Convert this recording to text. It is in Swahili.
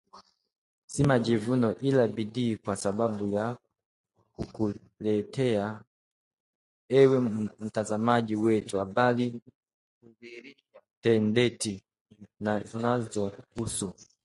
Si majivuno ila bidii kwa sababu ya kukuletea ewe mtazamaji wetu habari tendeti na zinazokuhusu